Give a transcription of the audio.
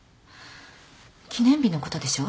記念日のことでしょ？